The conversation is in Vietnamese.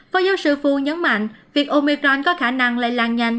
phó giáo sư fu nhấn mạnh việc omicron có khả năng lây lan nhanh